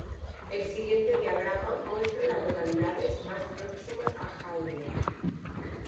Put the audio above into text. El siguiente diagrama muestra a las localidades más próximas a Hyder.